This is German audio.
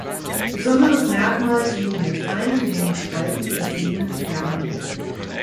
Besonderes Merkmal sind die mit feinen hellen Streifen versehen Kerne.